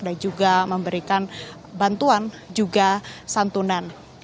dan juga memberikan bantuan juga santunan